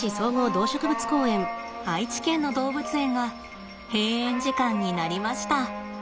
愛知県の動物園が閉園時間になりました。